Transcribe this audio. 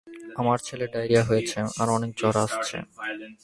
আমার ছেলের ডায়রিয়া হয়েছে আর অনেক জ্বর আসছে।